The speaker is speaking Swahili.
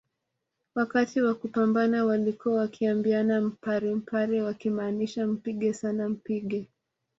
Wakati wa kupambana walikuwa wakiambiana mpare mpare wakimaanisha mpige sana mpige